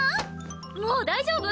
もう大丈夫？